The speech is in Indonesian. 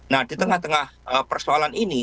nah di tengah tengah persoalan ini